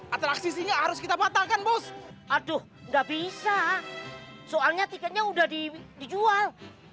atraksisinya harus kita patahkan bos aduh nggak bisa soalnya tiketnya udah dijual